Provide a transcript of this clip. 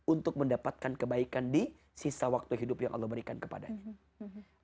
untuk mendapatkan kebaikan di sisa waktu hidup yang allah berikan kepadanya